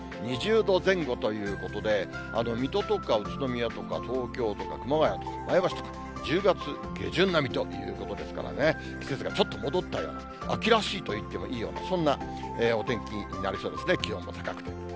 ２０度前後ということで、水戸とか宇都宮とか、東京とか熊谷、前橋とか１０月下旬並みということですからね、季節がちょっと戻ったような、秋らしいと言ってもいいような、そんなお天気になりそうですね、気温も高くて。